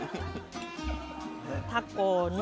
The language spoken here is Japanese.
タコに。